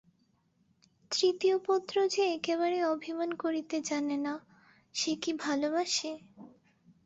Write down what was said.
তৃতীয় পত্র–যে একেবারেই অভিমান করিতে জানে না, সে কি ভালোবাসে।